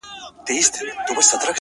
جنت د حورو دی؛ دوزخ د سيطانانو ځای دی؛